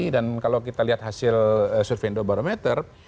dan kalau kita lihat hasil survei indobarometer